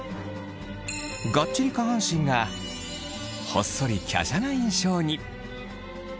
がっちり下半身がほっそりきゃしゃな印象に！